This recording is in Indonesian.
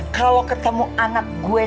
kalo ketemu anak gue